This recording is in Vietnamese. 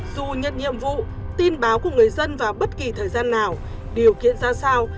dù nhận nhiệm vụ tin báo của người dân vào bất kỳ thời gian nào điều kiện ra sao